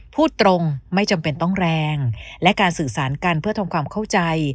พูดตรงไม่จำเป็นต้องแรงและการสื่อสารกันเพื่อทำความเข้าใจ